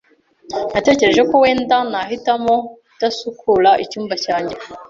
Natekereje ko wenda nahitamo kutasukura icyumba cyanjye.